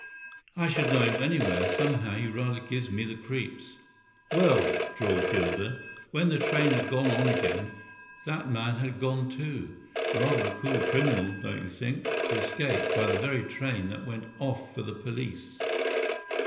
"I should know him anywhere. Somehow he rather gave me the creeps." "Well," drawled Gilder, "when the train had gone on again, that man had gone too. Rather a cool criminal, don't you think, to escape by the very train that went off for the police?"